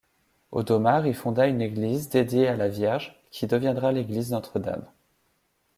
Audomar y fonda une église dédiée à la Vierge qui deviendra l'église Notre-Dame.